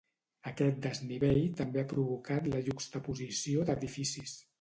Aquest desnivell també ha provocat la juxtaposició d'edificis.